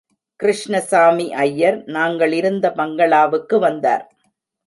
கிருஷ்ணசாமி ஐயர், நாங்களிருந்த பங்களாவிற்கு வந்தார்.